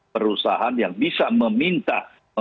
perusahaan yang bisa meminta